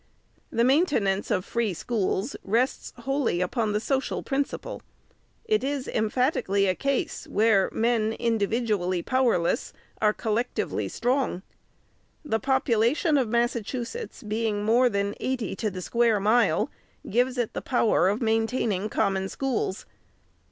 The maintenance of free schools rests wholly upon the .social principle. It is emphatically a case where men, individually powerless, are collectively strong. The population of Massachusetts, being more than eighty to the square mile, gives it the power of maintaining Common Schools.